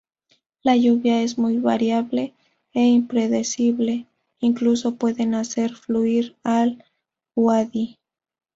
La lluvia es muy variable e impredecible, incluso puede hacer fluir al uadi.